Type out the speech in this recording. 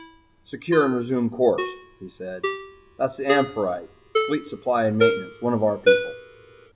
"Secure and resume course," he said. "That's the 'Amphitrite' fleet supply and maintenance. One of our people."